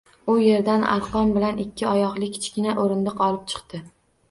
U yerdan arqon bilan ikki oyoqli kichkina o‘rindiq olib chiqdi